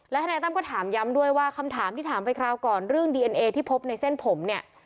ทนายตั้มก็ถามย้ำด้วยว่าคำถามที่ถามไปคราวก่อนเรื่องดีเอ็นเอที่พบในเส้นผมเนี่ย